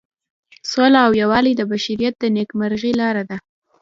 سوله او یووالی د بشریت د نیکمرغۍ لاره ده.